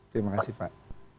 terima kasih pak